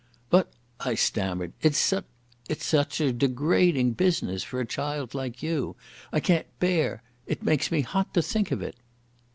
"But," I stammered, "it's such a ... such a degrading business for a child like you. I can't bear.... It makes me hot to think of it."